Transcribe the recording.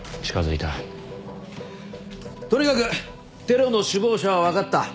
とにかくテロの首謀者は分かった。